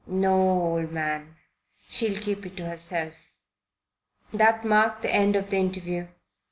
"No, old man. She'll keep it to herself." That marked the end of the interview.